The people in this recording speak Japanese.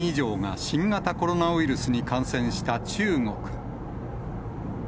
９万７０００人以上が新型コロナウイルスに感染した中国。